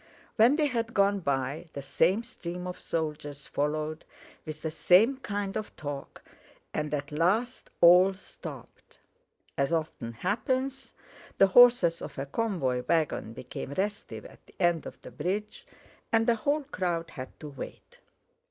When they had gone by, the same stream of soldiers followed, with the same kind of talk, and at last all stopped. As often happens, the horses of a convoy wagon became restive at the end of the bridge, and the whole crowd had to wait.